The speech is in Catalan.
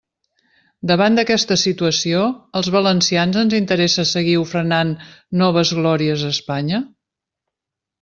Davant d'aquesta situació, ¿als valencians ens interessa seguir ofrenant noves glòries a Espanya?